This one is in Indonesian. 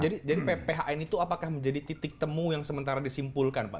jadi pphn itu apakah menjadi titik temu yang sementara disimpulkan pak